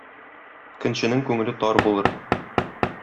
Көнченең күңеле тар булыр.